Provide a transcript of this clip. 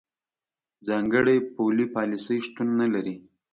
ځانګړې پولي پالیسۍ شتون نه لري.